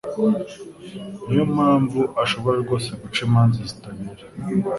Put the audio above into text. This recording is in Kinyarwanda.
ni yo mpamvu ashobora rwose guca imanza zitabera,